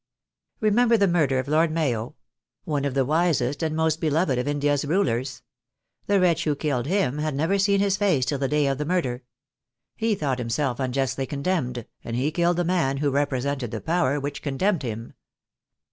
Remember the murder of Lord Mayo — one of the wisest and most beloved of India's rulers. The wretch who killed him had never seen his face till the day of the murder. He thought himself unjustly condemned, and he killed the man who represented the Power which condemned him.